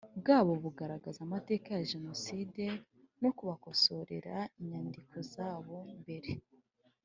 bwabo bugaragaza amateka ya Jenoside no kubakosorera inyandiko zabo mbere